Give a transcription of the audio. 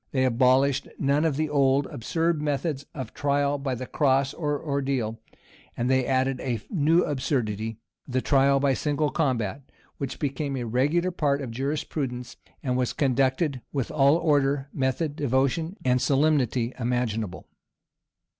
They abolished none of the old, absurd methods of trial by the cross or ordeal; and they added a new absurdity the trial by single combat [] which became a regular part of jurisprudence, and was conducted with all the order, method, devotion, and solemnity imaginable.